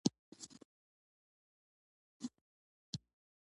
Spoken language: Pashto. دا د خلکو غوږونو ته ده.